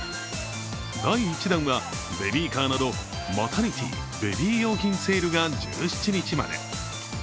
第１弾はベビーカーなどマタニティー、ベビー用品セールが１７日まで。